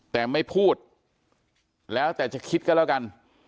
แต่ไม่พูดแล้วแต่จะคิดก็แล้วกัน